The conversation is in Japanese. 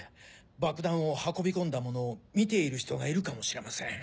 爆弾を運び込んだ者を見ている人がいるかもしれません。